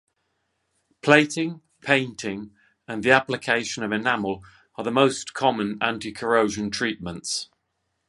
Plating, painting, and the application of enamel are the most common anti-corrosion treatments.